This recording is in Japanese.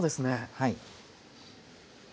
はい。